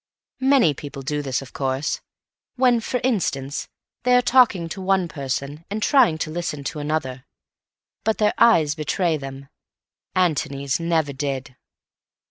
Many people do this, of course; when, for instance, they are talking to one person and trying to listen to another; but their eyes betray them. Antony's never did.